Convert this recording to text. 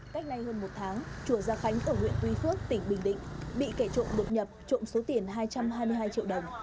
cách đây hơn một tháng chùa gia khánh ở huyện tuy phước tỉnh bình định bị kẻ trộm đột nhập trộm số tiền hai trăm hai mươi hai triệu đồng